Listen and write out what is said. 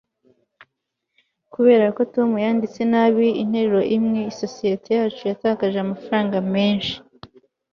kubera ko tom yanditse nabi interuro imwe, isosiyete yacu yatakaje amafaranga menshi